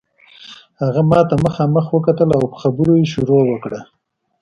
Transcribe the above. هغه ماته مخامخ وکتل او په خبرو یې شروع وکړه.